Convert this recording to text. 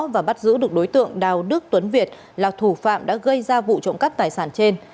và bắt giữ được đối tượng đào đức tuấn việt là thủ phạm đã gây ra vụ đối tượng